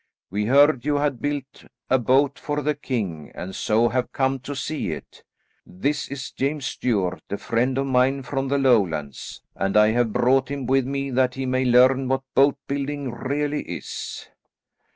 We heard you had built a boat for the king, and so have come to see it. This is James Stuart, a friend of mine from the Lowlands, and I have brought him with me that he may learn what boat building really is."